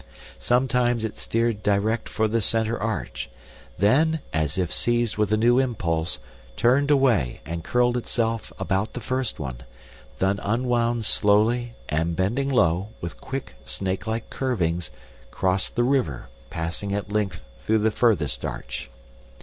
Sometimes it steered direct for the center arch, then, as if seized with a new impulse, turned away and curled itself about the first one, then unwound slowly and, bending low, with quick, snakelike curvings, crossed the river, passing at length through the furthest arch.